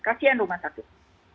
kasian rumah sakit